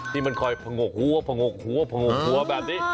ที่มันคอยผงกหัวผงกหัวโผงกหัวแบบนี้